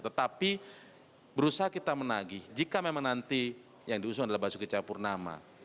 tetapi berusaha kita menagih jika memang nanti yang diusung adalah basuki cahapurnama